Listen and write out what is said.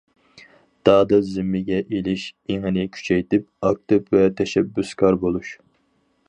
دادىل زىممىگە ئېلىش ئېڭىنى كۈچەيتىپ، ئاكتىپ ۋە تەشەببۇسكار بولۇش.